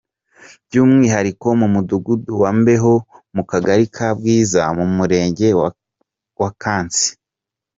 By’umwihariko mu mudugudu wa Mbeho , mu kagari ka Bwiza mu murenge wa Kansi.